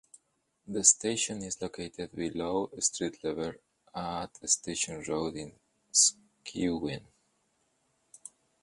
The station is located below street level at Station Road in Skewen.